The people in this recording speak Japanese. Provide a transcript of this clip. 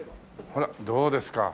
ほらどうですか。